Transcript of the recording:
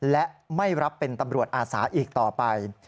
และไม่รับเป็นตำรวจอาสาอีกต่อไป